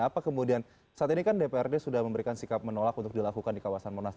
apa kemudian saat ini kan dprd sudah memberikan sikap menolak untuk dilakukan di kawasan monas